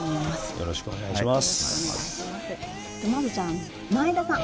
よろしくお願いします。